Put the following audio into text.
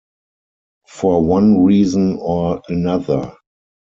For one reason or another.